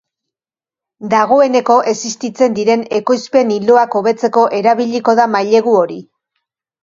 Dagoeneko existitzen diren ekoizpen ildoak hobetzeko erabiliko da mailegu hori.